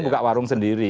buka warung sendiri